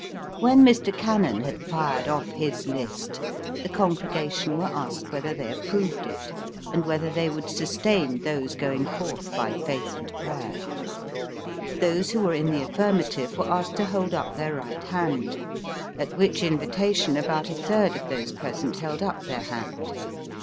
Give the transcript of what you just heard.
When Mr. Cannon had fired off his list, the congregation were asked whether they ap proved it, and whether they would sustain those going forth by faith and prayer. Those who were in the afl&rmative were asked to hold up their right hand, at which invitation about a third of those present held up their hand.